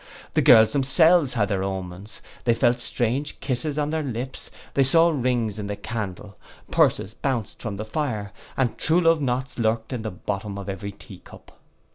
The girls themselves had their omens. They felt strange kisses on their lips; they saw rings in the candle, purses bounced from the fire, and true love knots lurked in the bottom of every tea cup.